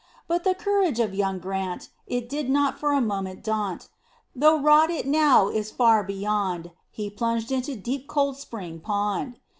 But the courage of young Grant, It did not for a moment daunt, Though rod it now is far beyond, He plunged into deep, cold spring pond.